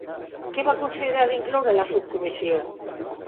Què va considerar d'incloure la subcomissió?